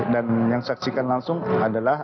dan yang saksikan langsung adalah